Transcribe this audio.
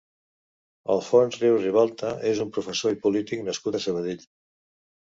Alfons Rius Ribalta és un professor i polític nascut a Sabadell.